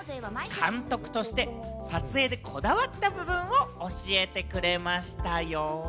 監督として撮影でこだわった部分を教えてくれましたよ。